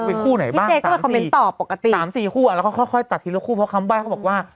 ไปคู่ไหนบ้าง๓๔คู่แล้วเขาค่อยตัดทีละคู่เพราะคำบ้ายเขาบอกว่า